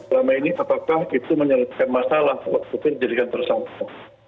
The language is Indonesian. selama ini apakah itu menyelesaikan masalah untuk diberikan tersangkar